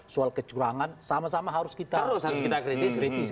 soal kecurangan sama sama harus kita kritisi